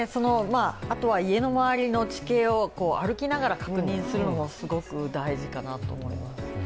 あとは家の周りの地形を歩きながら確認するのも、すごく大事かなと思います。